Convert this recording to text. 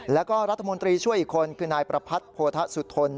แล้วก็รัฐมนตรีช่วยอีกคนคือนายประพัทธโพธสุทน